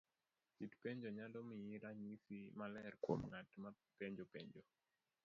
Kit penjo nyalo miyi ranyisi maler kuom nga't mapenjo penjo.